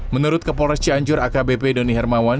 menurut kepolres cianjur akbp doni hermawan